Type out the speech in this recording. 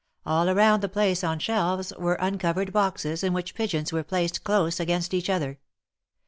All around the place on shelves were uncovered boxes, in which pigeons were placed close against each other.